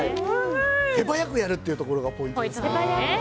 手早くやるっていうところがポイントですね。